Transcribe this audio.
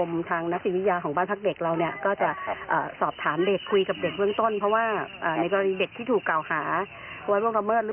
ไม่ได้มีอาการอาจจะไม่ได้ถึงขั้นร่วงรำเมื่อ